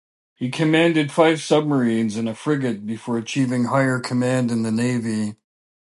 He commanded five submarines and a frigate before achieving higher command in the Navy.